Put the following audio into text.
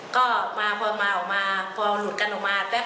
ก็คือเขาก็กลับรถมาแบบ